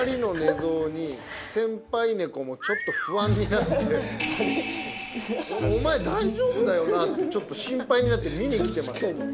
ちょっと不安になってお前大丈夫だよな？ってちょっと心配になって見に来てます。